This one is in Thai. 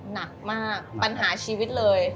หนักมากปัญหาชีวิตเลย